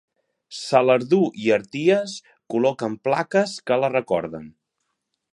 Salardú i Arties col·loquen plaques que la recorden.